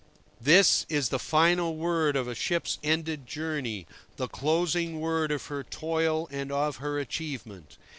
This is the final word of a ship's ended journey, the closing word of her toil and of her achievement.